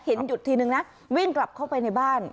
หยุดทีนึงนะวิ่งกลับเข้าไปในบ้าน